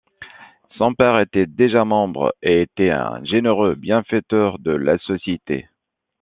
Son père était déjà membre et était un généreux bienfaiteur de la Société.